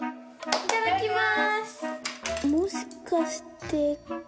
いただきます。